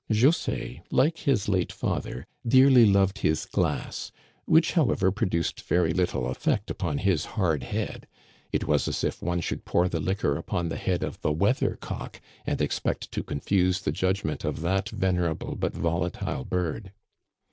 José, like his late father, dearly loved his glass, which, however, produced very little effect upon his hard head. It was as if one should pour the liquor upon the head of the weather cock, and expect to confuse the judgment of that venerable but volatile bird.